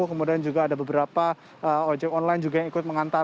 kemudian juga ada beberapa ojek online juga yang ikut mengantar